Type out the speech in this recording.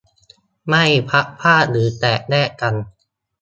ไม่พลัดพราก หรือแตกแยกกัน